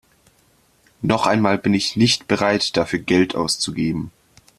Noch einmal bin ich nicht bereit, dafür Geld auszugeben.